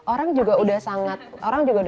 orang juga udah sangat